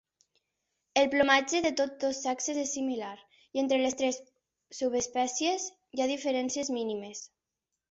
El plomatge de tots dos sexes és similar, i entre les tres subespècies hi ha diferències mínimes.